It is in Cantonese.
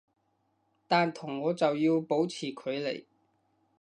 但同我就要保持距離